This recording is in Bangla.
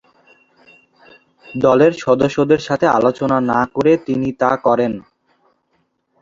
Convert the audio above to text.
দলের সদস্যদের সাথে আলোচনা না করে তিনি তা করেন।